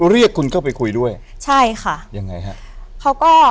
เรียกคุณเข้าไปคุยด้วยใช่ค่ะยังไงฮะเขาก็